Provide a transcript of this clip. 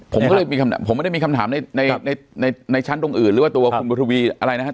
ผมก็ไม่ได้มีคำถามในชั้นตรงอื่นหรือว่าตัวบุตรวีอะไรนะครับ